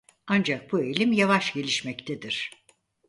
Ancak bu eğilim yavaş gelişmektedir.